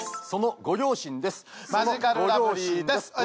そのご両親です。